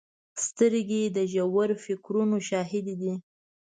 سترګې د ژور فکرونو شاهدې دي